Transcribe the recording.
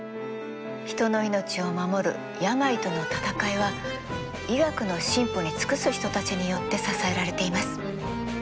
人の命を守る病との闘いは医学の進歩に尽くす人たちによって支えられています。